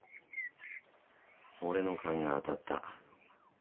俺の勘が当たった。